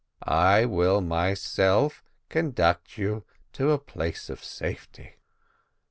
I will myself conduct you to a place of safety."